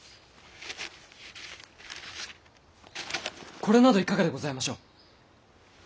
これなどいかがでございましょう？